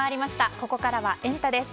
ここからはエンタ！です。